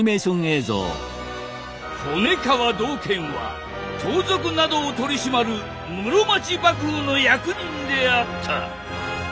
骨皮道賢は盗賊などを取り締まる室町幕府の役人であった。